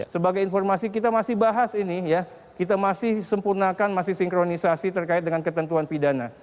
sebagai informasi kita masih bahas ini ya kita masih sempurnakan masih sinkronisasi terkait dengan ketentuan pidana